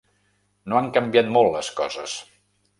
No han canviat molt les coses.